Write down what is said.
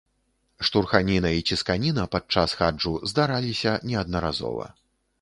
Штурханіна і цісканіна падчас хаджу здараліся неаднаразова.